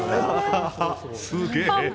すげえ。